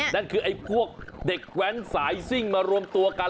นั่นคือไอ้พวกเด็กแว้นสายซิ่งมารวมตัวกัน